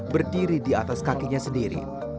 berdiri di atas kakinya sendiri